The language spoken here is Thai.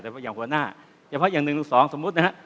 แต่ว่าอย่างหัวหน้าเฉพาะอย่างหนึ่งหรือสองสมมุตินะฮะ